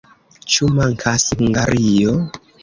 Ĉu mankas Hungario?